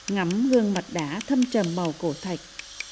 ngắm gương mặt đá thâm trầm màu cổ thạch